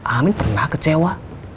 amin pernah kecewa